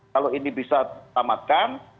kalau ini bisa diselamatkan